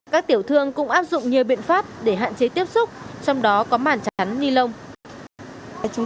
các tiểu thương cũng áp dụng nhiều biện pháp để hạn chế tiếp xúc trong đó có màn chắn ni lông